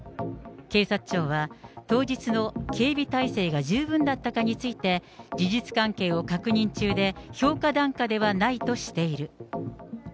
警察庁は、当日の警備態勢が十分だったかについて、事実関係を確認中で、評価段階ではないとしている。